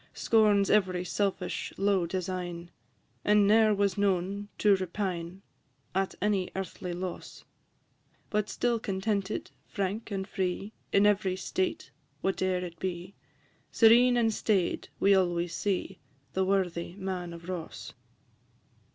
Scorns every selfish, low design, And ne'er was known to repine, At any earthly loss: But still contented, frank, and free, In every state, whate'er it be, Serene and staid we always see The worthy Man of Ross.